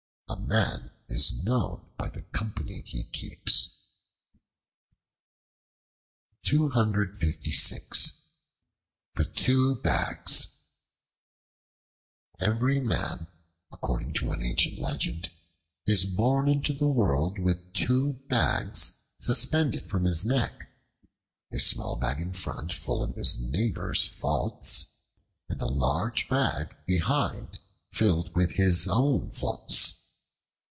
A man is known by the company he keeps. The Two Bags EVERY MAN, according to an ancient legend, is born into the world with two bags suspended from his neck all bag in front full of his neighbors' faults, and a large bag behind filled with his own faults.